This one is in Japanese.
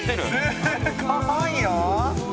すごいよ！